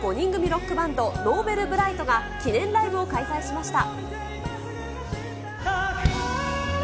ロックバンド、Ｎｏｖｅｌｂｒｉｇｈｔが記念ライブを開催しました。